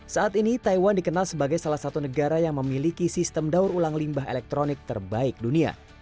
saat ini taiwan dikenal sebagai salah satu negara yang memiliki sistem daur ulang limbah elektronik terbaik dunia